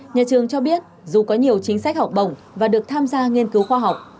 nhà trường cho biết dù có nhiều chính sách học bổng và được tham gia nghiên cứu khoa học